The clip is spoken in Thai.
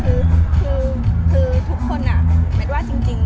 แม็กซ์ก็คือหนักที่สุดในชีวิตเลยจริง